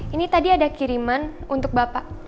ini tadi ada kiriman untuk bapak